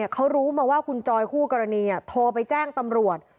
เขารู้มาว่าคุณจอยคู่กรณีโทรไปแจ้งตำรวจ